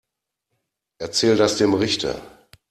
Erzähl das dem Richter.